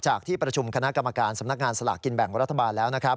ที่ประชุมคณะกรรมการสำนักงานสลากกินแบ่งรัฐบาลแล้วนะครับ